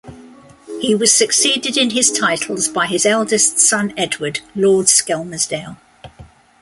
He was succeeded in his titles by his eldest son, Edward, Lord Skelmersdale.